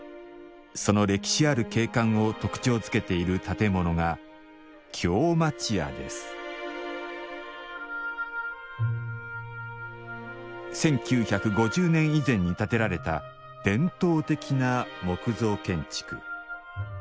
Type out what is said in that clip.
その歴史ある景観を特徴づけている建物が１９５０年以前に建てられた伝統的な木造建築。